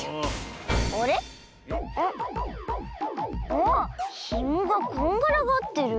ああひもがこんがらがってる。